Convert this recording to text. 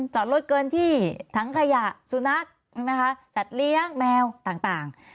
จอดรถเกินที่ทั้งขยะสุนัขสัตว์เลี้ยงแมวต่าง